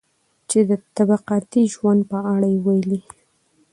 چې د طبقاتي ژوند په اړه يې وويلي.